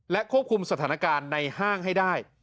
ควบคุมสถานการณ์ในห้างให้ได้